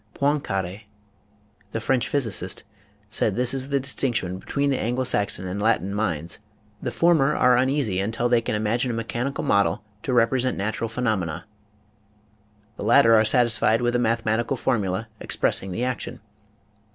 Poincare, the French physicist, said this is the distinction between the Anglo Saxon and Latin minds; the former are uneasy until they can imagine a mechanical model to represent natu ral phenomena, the latter are satisfied with a mathe matical formula expressing the action.